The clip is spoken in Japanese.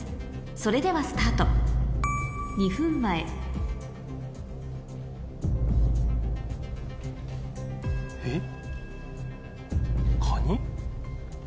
それではスタート２分前えっ。